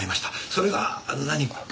それが何か？